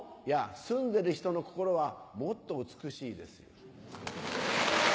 住んでる人の心はもっと美しいですよ。